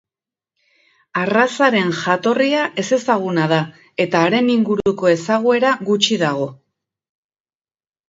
Arrazaren jatorria ezezaguna da eta haren inguruko ezaguera gutxi dago.